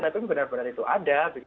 tapi benar benar itu ada